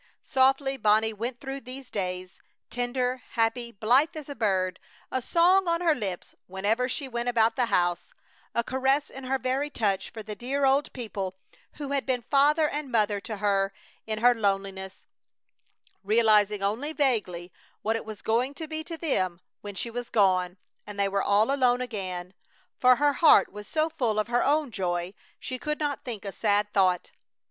Softly Bonnie went through these days, tender, happy, blithe as a bird; a song on her lips whenever she went about the house; a caress in her very touch for the dear old people who had been father and mother to her in her loneliness; realizing only vaguely what it was going to be to them when she was gone and they were all alone again. For her heart was so full of her own joy she could not think a sad thought.